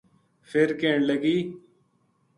فر کہن لگی